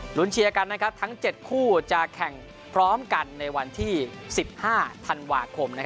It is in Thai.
ลุ้นเชียร์กันทั้ง๗คู่จะแข่งพร้อมกันในวันที่๑๕ธันวาคม